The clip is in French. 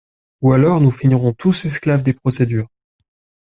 Ou alors nous finirons tous esclaves des procédures.